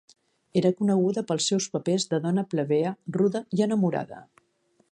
Era coneguda pels seus papers de dona plebea, ruda i enamorada.